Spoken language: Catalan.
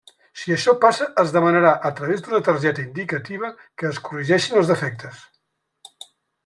Si això passa es demanarà, a través d'una targeta indicativa, que es corregeixin els defectes.